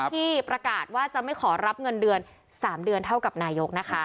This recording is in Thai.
ที่ประกาศว่าจะไม่ขอรับเงินเดือน๓เดือนเท่ากับนายกนะคะ